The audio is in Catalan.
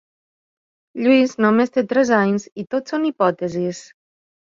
Lluís només té tres anys i tot són hipòtesis.